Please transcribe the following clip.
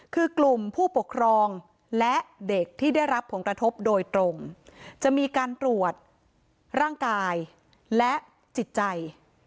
คือกลุ่มผู้ปกครองและเด็กที่ได้รับผลกระทบโดยตรงจะมีการตรวจร่างกายและจิตใจ